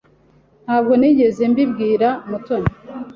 Ntabwo nigeze mbibwira Mutoni.